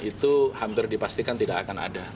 itu hampir dipastikan tidak akan ada